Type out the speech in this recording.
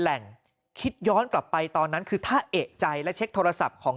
คิดย้อนกลับไปตอนนั้นคือถ้าเอกใจและเช็คโทรศัพท์ของ